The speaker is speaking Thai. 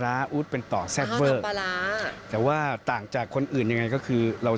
ลาวเวียดนามตอนนี้ไปนู่นแล้ว